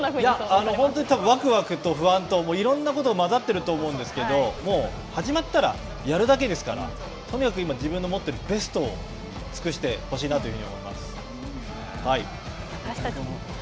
本当にわくわくと不安といろんなこと交ざっていると思うんですけれども、始まったらやるだけですからとにかく今、自分の持っているベストを尽くしてほしいなというふうに思います。